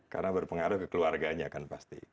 karena berpengaruh ke keluarganya kan pasti